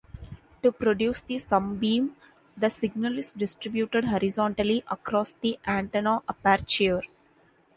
To produce the sum beam the signal is distributed horizontally across the antenna aperture.